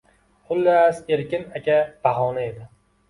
Xullas, Erkin aka bahona edi.